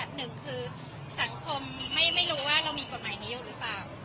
หนึ่งคือสังคมไม่รู้ว่าเรามีกฎหมายนี้อยู่หรือเปล่า